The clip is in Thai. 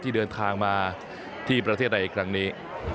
ที่เดินทางมาที่ประเทศไทยอีกครั้งนี้